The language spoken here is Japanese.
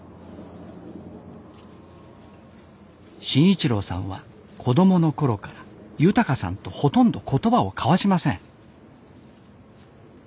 慎一郎さんは子どもの頃から豊さんとほとんど言葉を交わしません。